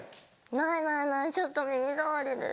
ないないないちょっと耳障りです。